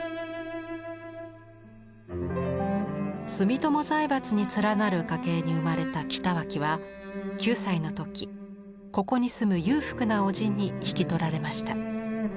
住友財閥に連なる家系に生まれた北脇は９歳の時ここに住む裕福なおじに引き取られました。